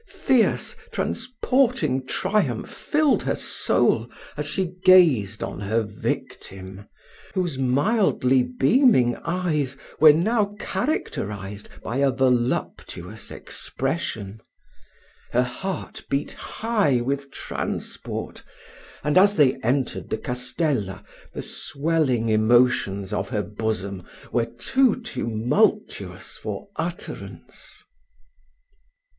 Fierce, transporting triumph filled her soul as she gazed on her victim, whose mildly beaming eyes were now characterised by a voluptuous expression. Her heart beat high with transport; and, as they entered the castella, the swelling emotions of her bosom were too tumultuous for utterance.